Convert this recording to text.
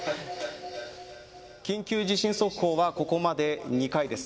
緊急地震速報はここまで２回です。